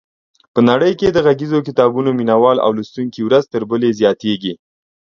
په نړۍ کې د غږیزو کتابونو مینوال او لوستونکي ورځ تر بلې زیاتېږي.